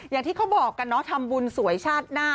อย่างที่เขาบอกกันเนาะทำบุญสวยชาติหน้า